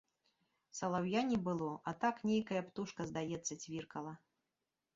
Салаўя не было, а так нейкая птушка, здаецца, цвіркала.